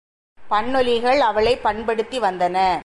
பண்ணொலிகள் அவளைப் பண்படுத்தி வந்தன.